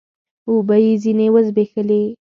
اوبه يې ځيني و زبېښلې